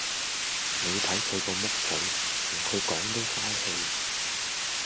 你睇佢個木嘴，同佢講都曬氣